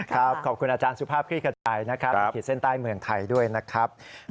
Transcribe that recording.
ครับขอบคุณอาจารย์สุภาพคลิกกระจ่ายนะครับผิดเส้นใต้เมืองไทยด้วยนะครับ